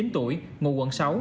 bốn mươi chín tuổi ngụ quận sáu